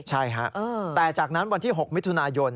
ใช่ฮะแต่จากนั้นวันที่๖มิถุนายน